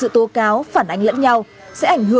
tinh sát hình sự